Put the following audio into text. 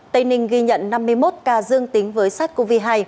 tây ninh ghi nhận năm mươi một ca dương tính với sars cov hai